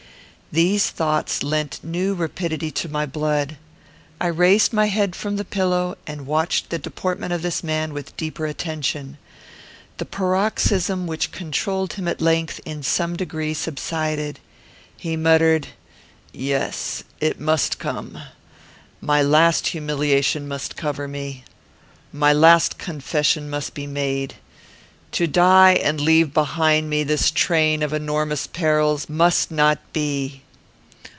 These thoughts lent new rapidity to my blood. I raised my head from the pillow, and watched the deportment of this man with deeper attention. The paroxysm which controlled him at length, in some degree, subsided. He muttered, "Yes. It must come. My last humiliation must cover me. My last confession must be made. To die, and leave behind me this train of enormous perils, must not be.